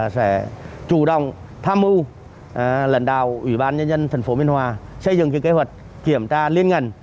sẽ chủ động tham mưu lãnh đạo ủy ban nhân dân thành phố biên hòa xây dựng kế hoạch kiểm tra liên ngành